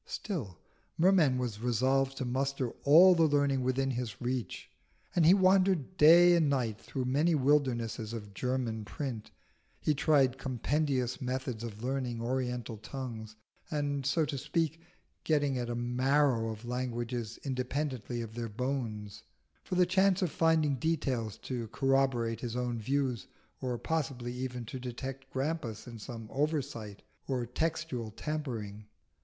Still, Merman was resolved to muster all the learning within his reach, and he wandered day and night through many wildernesses of German print, he tried compendious methods of learning oriental tongues, and, so to speak, getting at the marrow of languages independently of the bones, for the chance of finding details to corroborate his own views, or possibly even to detect Grampus in some oversight or textual tampering.